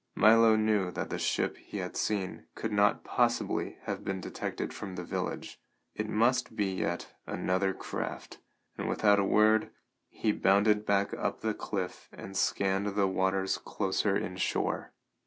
Milo knew that the ship he had seen could not possibly have been detected from the village. It must be yet another craft, and, without a word, he bounded back up the cliff and scanned the waters closer inshore.